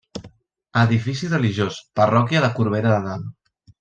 Edifici religiós, parròquia de Corbera de Dalt.